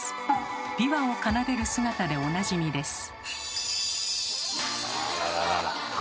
琵琶を奏でる姿でおなじみです。